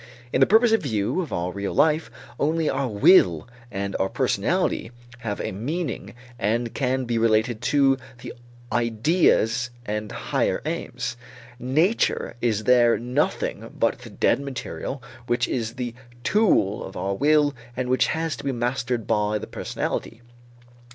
In the purposive view of our real life, only our will and our personality have a meaning and can be related to the ideas and higher aims. Nature is there nothing but the dead material which is the tool of our will and which has to be mastered by the personality.